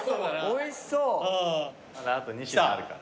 おいしそう！来た。